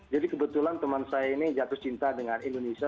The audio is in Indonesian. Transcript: jadi kebetulan teman saya ini jatuh cinta dengan indonesia